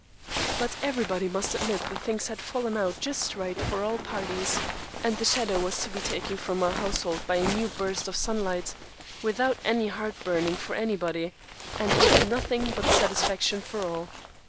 But everybody must admit that things had fallen out just right for all parties, and the shadow was to be taken from our household by a new burst of sunlight, without any heart burning for anybody, and with nothing but satisfaction for all.